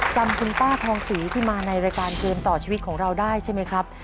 จำคุณป้าทองศรีที่มาในรายการเกมต่อชีวิตของเราได้ใช่ไหมครับ